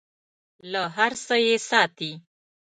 له هر څه یې ساتي .